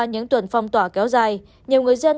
những tuần phong tỏa kéo dài nhiều người dân